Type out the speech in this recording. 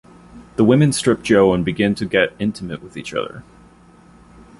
The women strip Joe and begin to get intimate with each other.